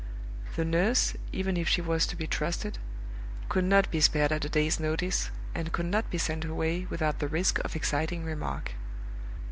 The nurse, even if she was to be trusted, could not be spared at a day's notice, and could not be sent away without the risk of exciting remark.